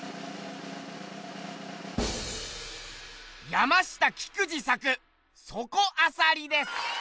山下菊二作「そこあさり」です。